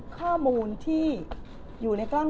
ข้อมูลที่อยู่ในกล้อง